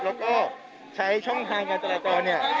แล้วก็ใช้ช่องทางกันตลาดตอนเนี่ย